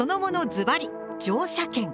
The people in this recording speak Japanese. ずばり「乗車券」。